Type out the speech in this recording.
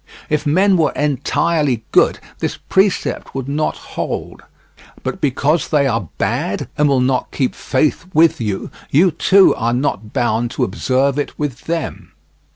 If men were entirely good this precept would not hold, but because they are bad, and will not keep faith with you, you too are not bound to observe it with them.